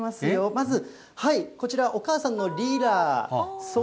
まず、こちら、お母さんのリラ。